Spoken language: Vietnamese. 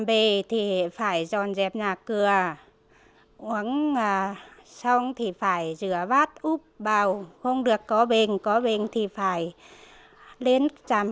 bà tuyên truyền các cầu lạc bộ văn nghệ ống tiền tiết kiệm phụ nữ năm trăm linh ba sạch như gia đình chị lò thị yến